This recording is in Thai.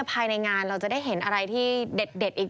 ภายในงานเราจะได้เห็นอะไรที่เด็ดอีก